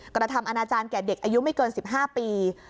กระทำอนาจารย์แก่เด็กอายุไม่เกิน๑๕ปี